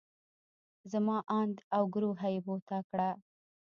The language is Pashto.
زما اند او ګروهه يې بوته کړه.